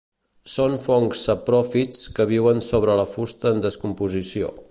Són fongs sapròfits que viuen sobre la fusta en descomposició.